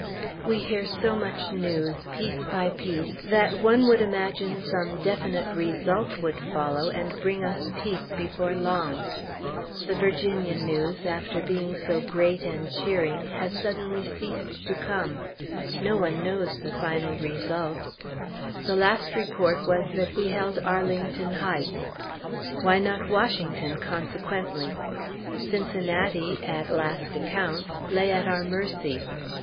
We hear so much news, piece by piece, that one would imagine some definite result would follow, and bring us Peace before long. The Virginia news, after being so great and cheering, has suddenly ceased to come. No one knows the final result. The last report was that we held Arlington Heights. Why not Washington, consequently? Cincinnati (at last accounts) lay at our mercy.